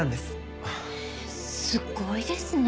へえすごいですね。